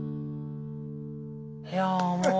いやあもう。